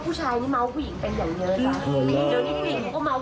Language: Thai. แฟนเด็กล่ะแฟนเด็ก